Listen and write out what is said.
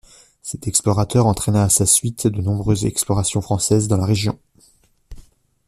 Cet explorateur entraîna à sa suite de nombreuses explorations françaises dans la région.